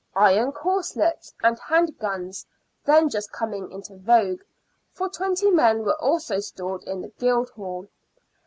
Iron corslets and hand guns — then just coming into vogue — for twenty men were also stored in the Guildhall.